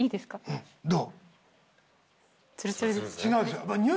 どう？